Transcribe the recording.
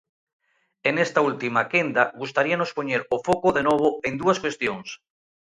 E nesta última quenda gustaríanos poñer o foco de novo en dúas cuestións.